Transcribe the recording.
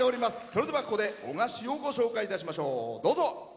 それではここで男鹿市をご紹介いたしましょう。